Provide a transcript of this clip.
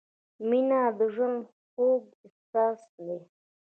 • مینه د ژوند خوږ احساس دی.